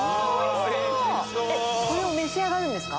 これを召し上がるんですか？